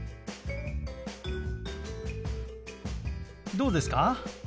どうですか？